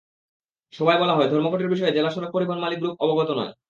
সভায় বলা হয়, ধর্মঘটের বিষয়ে জেলা সড়ক পরিবহন মালিক গ্রুপ অবগত নয়।